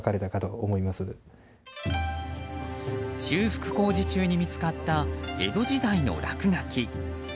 修復工事中に見つかった江戸時代の落書き。